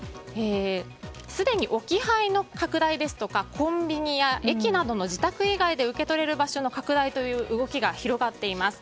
すでに置き配の拡大ですとかコンビニや駅などの自宅以外で受け取れる場所の拡大の動きが広がっています。